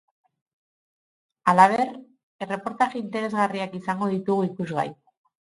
Halaber, erreportaje interesgarriak izango ditugu ikusgai.